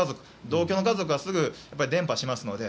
同居の家族はすぐ伝播しますので。